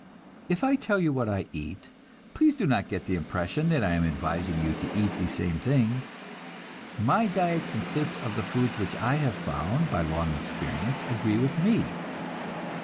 If I tell you what I eat, please do not get the impression that I am advising you to eat these same things. My diet consists of the foods which I have found by long experience agree with me.